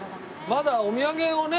まだお土産をね